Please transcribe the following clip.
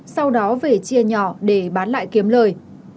sau đó về chia nhỏ để bán lại kiếm lời